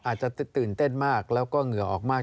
อาจจะตื่นเต้นมากแล้วก็เหงื่อออกมาก